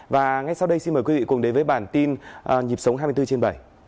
và ngay sau đây xin mời quý vị cùng đến với bản tin nhịp sống hai mươi bốn trên bảy